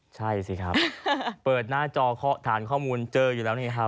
ใช่สิครับเปิดหน้าจอเคาะฐานข้อมูลเจออยู่แล้วนี่ครับ